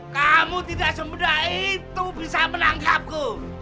kamu tidak semudah itu bisa menangkapku